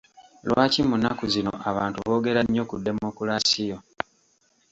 Lwaki mu nnaku zino abantu boogera nnyo ku Demokulaasiyo?